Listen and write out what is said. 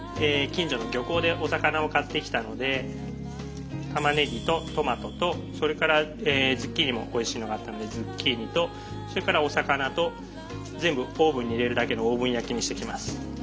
近所の漁港でお魚を買ってきたのでたまねぎとトマトとそれからズッキーニもおいしいのがあったのでズッキーニとそれからお魚と全部オーブンに入れるだけのオーブン焼きにしていきます。